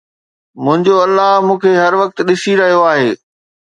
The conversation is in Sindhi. منهنجو الله مون کي هر وقت ڏسي رهيو آهي